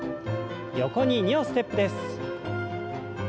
横に２歩ステップです。